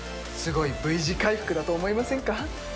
すごいＶ字回復だと思いませんか？